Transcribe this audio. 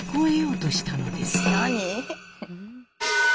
え